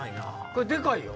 これでかいよ。